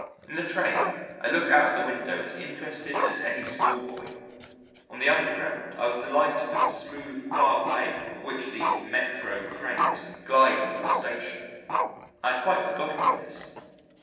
In the train, I looked out of the window as interested as any schoolboy. On the Underground I was delighted with the smooth, quiet way with which the "Metro" trains glide into the Station. I had quite forgotten this.